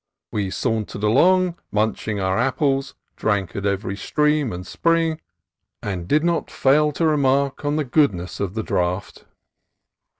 We sauntered along munch ing our apples, drank at every stream and spring, and did not fail to remark on the goodness of the draught.